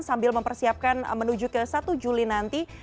sambil mempersiapkan menuju ke satu juli nanti